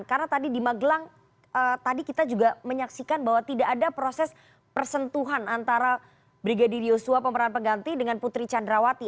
karena tadi di magelang tadi kita juga menyaksikan bahwa tidak ada proses persentuhan antara brigadir yusua pemeran peganti dengan putri candrawati